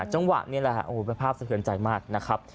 จังหวะนี้แหละโอ้โหเป็นภาพสะเทือนใจมากนะครับ